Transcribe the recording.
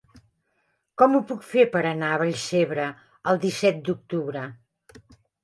Com ho puc fer per anar a Vallcebre el disset d'octubre?